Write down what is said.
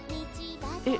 えっ。